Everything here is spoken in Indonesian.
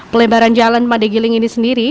pelebaran jalan madegiling ini sendiri